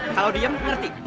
kalau diem ngerti